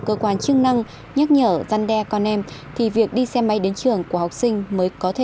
cơ quan chức năng nhắc nhở dăn đe con em thì việc đi xe máy đến trường của học sinh mới có thể xử lý triệt đề